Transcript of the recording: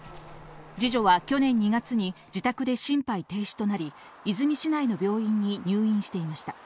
二女は去年２月に自宅で心肺停止となり、和泉市内の病院に入院していました。